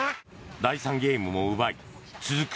第３ゲームも奪い続く